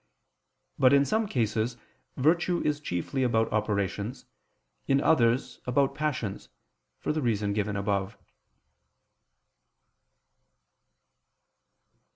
But in some cases virtue is chiefly about operations, in others, about passions, for the reason given above.